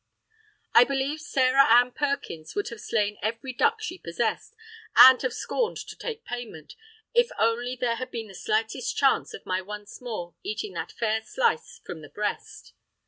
I believe Sarah Ann Perkins would have slain every duck she possessed (and have scorned to take payment), if only there had been the slightest chance of my once more eating that fair slice from the breast!